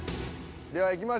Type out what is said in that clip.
はい。